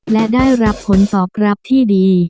และได้รับผลตอบรับที่ดี